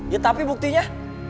ya tapi buktinya